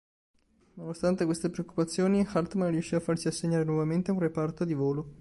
Nonostante queste preoccupazioni Hartmann riuscì a farsi assegnare nuovamente a un reparto di volo.